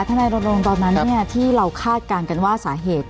นายรณรงค์ตอนนั้นที่เราคาดการณ์กันว่าสาเหตุ